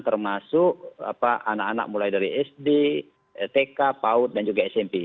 termasuk anak anak mulai dari sd tk paud dan juga smp